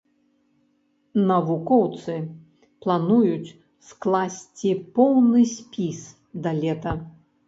Навукоўцы плануюць скласці поўны спіс да лета.